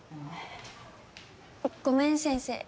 ごめん先生。